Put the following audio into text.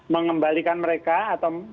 mengembalikan mereka atau